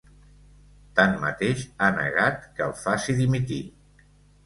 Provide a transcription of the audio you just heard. Tanmateix, ha negat que el faci dimitir.